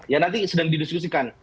ya nanti sedang didiskusikan